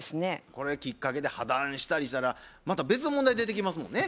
これきっかけで破談したりしたらまた別の問題出てきますもんね。